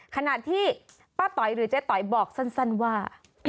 ขณะที่ป้าต๋อยหรือเจ๊ต๋อยบอกสั้นว่า